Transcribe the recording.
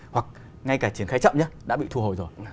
hoặc ngay cả triển khai chậm nhé đã bị thu hồi rồi